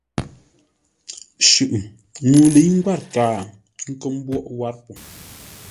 Shʉʼʉ.Ŋuu lə̌i ngwát kaa, ə́ nkə́ mbwóghʼ wâr po.